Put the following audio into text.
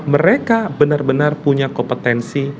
mereka benar benar punya kompetensi